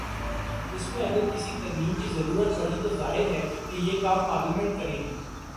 اس میں اگر کسی ترمیم کی ضرورت پڑی تو ظاہر ہے کہ یہ کام پارلیمنٹ کر ے گی۔